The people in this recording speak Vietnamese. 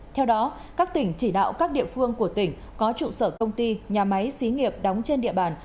theo đó các tỉnh chỉ đạo các địa phương của tỉnh có trụ sở công ty nhà máy xí nghiệp đóng trên địa bàn